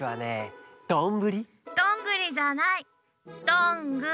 どんぐー！